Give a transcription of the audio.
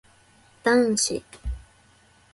男子